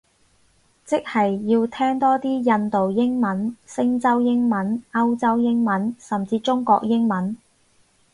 即係要聽多啲印度英文，星洲英文，歐洲英文，甚至中國英文